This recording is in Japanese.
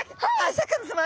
シャーク香音さま